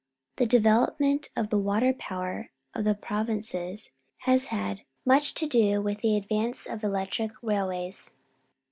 The development of the water power of the prov inces has had much to do with the advance of electric railways.